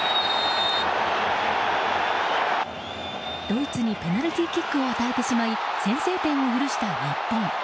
ドイツにペナルティーキックを与えてしまい先制点を許した日本。